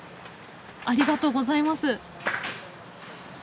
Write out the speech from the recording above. ありがとうございます。